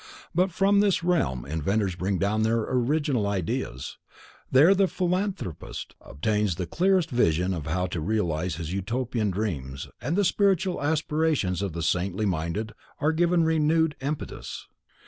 But from this realm inventors bring down their original ideas; there the philanthropist obtains the clearest vision of how to realize his utopian dreams and the spiritual aspirations of the saintly minded are given renewed impetus.